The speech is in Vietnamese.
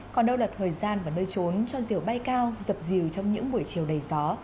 còn đâu là thời gian và nơi trốn cho diều bay cao dập rìu trong những buổi chiều đầy gió